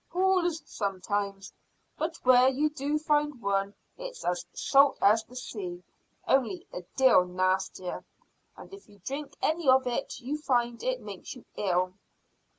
"Pools sometimes, but where you do find one it's as salt as the sea, only a deal nastier, and if you drink any of it you find it makes you ill."